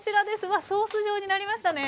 わっソース状になりましたね。